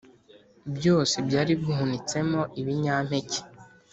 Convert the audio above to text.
byose byari bihunitsemo ibinyampeke